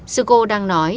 sư cô đang nói